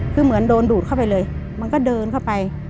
คือเหมือนโดนดูดเข้าไปเลยมันก็เดินเข้าไป